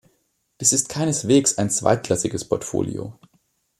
Dies ist keineswegs ein zweitklassiges Portfolio.